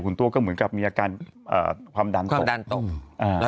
คุณตัวก็เหมือนกับมีอาการความดันตก